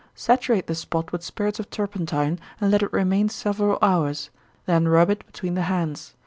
_ Saturate the spot with spirits of turpentine, and let it remain several hours, then rub it between the hands.